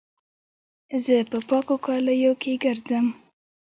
زه په پاکو کالو کښي ګرځم.